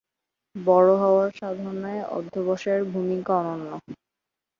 বড় হওয়ার সাধনায় অধ্যবসায়ের ভূমিকা অনন্য।